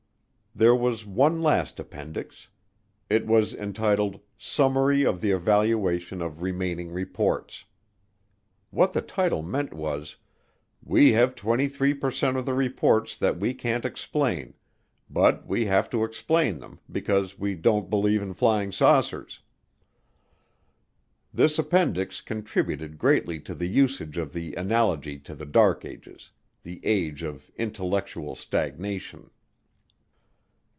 There was one last appendix. It was entitled "Summary of the Evaluation of Remaining Reports." What the title meant was, We have 23 per cent of the reports that we can't explain but we have to explain them because we don't believe in flying saucers. This appendix contributed greatly to the usage of the analogy to the Dark Ages, the age of "intellectual stagnation."